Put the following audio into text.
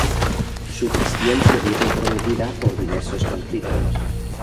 Su gestión se vio comprometida por diversos conflictos.